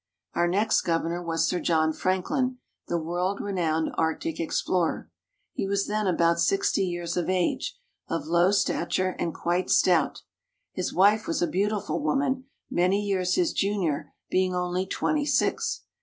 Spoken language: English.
Our next governor was Sir John Franklin, the world renowned Arctic explorer. He was then about sixty years of age, of low stature and quite stout. His wife was a beautiful woman, many years his junior, being only twenty six.